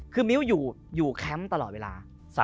คือมิ้วอยู่แคมป์ตลอดเวลา